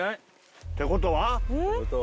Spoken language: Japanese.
てことは？